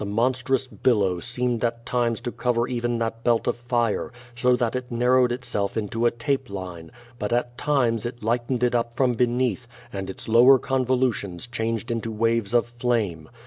The monstrous QUO VADlfi. 309 billow seemed at times to cover even that belt of fire, so that it narrowed itself into a tape line, but at times it lightened it up from beneath, and its lower convolutions changed into waves of flame.